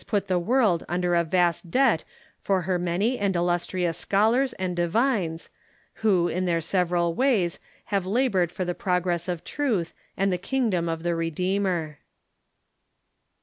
i. PURITAN AND PRESBYTERIAN" SCHOLARS AXI) DIVINES 367 world umler a vast debt for her many and illustrious scholars and divines, who in their several ways have labored for the progress of truth and the kingdom of the Redeemer.